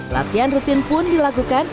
latihan rutin pun dilakukan